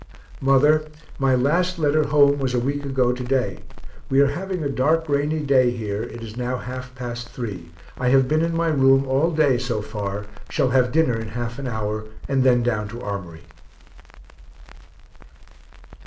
Mother, my last letter home was a week ago to day we are having a dark rainy day here it is now half past 3. I have been in my room all day so far shall have dinner in half an hour, and then down to Armory.